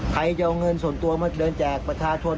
ใครจะเอาเงินส่วนตัวมาเดินแจกประชาชน